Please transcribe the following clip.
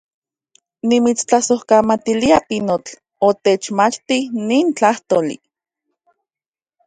¡Nimitstlasojkamatilia, pinotl, otechmachti nin tlajtoli!